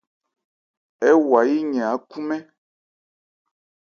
Ɛ́ wa yí yɛn ákhúnmɛ́n.